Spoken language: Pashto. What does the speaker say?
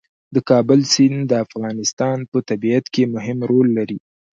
د کابل سیند د افغانستان په طبیعت کې مهم رول لري.